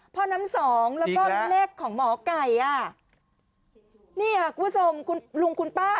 พ่อน้ำสองแล้วก็เลขของหมอไก่อ่ะนี่ค่ะคุณผู้ชมคุณลุงคุณป้า